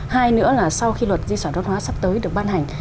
hai nữa là sau khi luật di sản đoán hóa sắp tới được ban hành